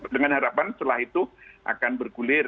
dengan harapan setelah itu akan bergulir